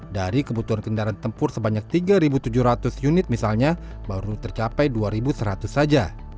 dari kebutuhan kendaraan tempur sebanyak tiga tujuh ratus unit misalnya baru tercapai dua seratus saja